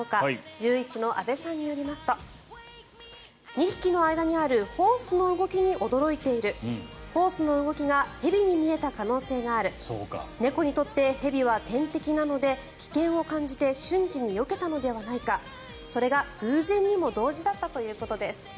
獣医師の阿部さんによりますと２匹の間にあるホースの動きに驚いているホースの動きが蛇に見えた可能性がある猫にとって蛇は天敵なので危険を感じて瞬時によけたのではないかそれが偶然にも同時だったということです。